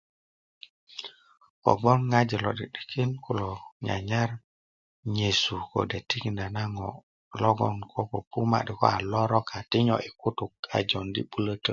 kobgoŋ ŋojik lo'di'dikin kulo nyanyar nyesu kode tikinda na ŋo logon ko 'du'dumadu a loron i kutuk a joundi 'bulötö